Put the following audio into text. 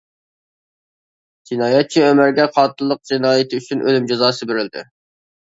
جىنايەتچى ئۆمەرگە قاتىللىق جىنايىتى ئۈچۈن ئۆلۈم جازاسى بېرىلدى.